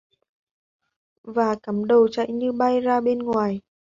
Và cắm đầu chạy như bay ra bên ngoài